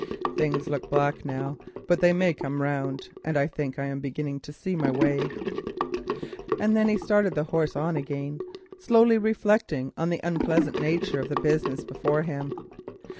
Things look black now, but they may come round, and I think I am beginning to see my way." And then he started the horse on again, reflecting on the unpleasant nature of the business before him.